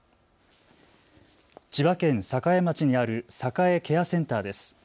千葉県栄町にあるさかえケアセンターです。